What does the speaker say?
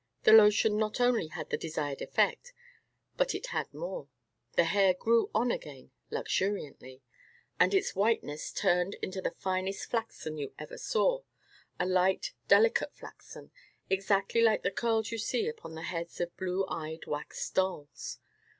The lotion not only had the desired effect, but it had more: the hair grew on again luxuriantly, and its whiteness turned into the finest flaxen you ever saw; a light delicate flaxen, exactly like the curls you see upon the heads of blue eyed wax dolls.